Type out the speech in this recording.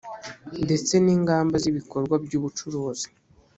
ndetse n ingamba z ibikorwa by ubucuruzi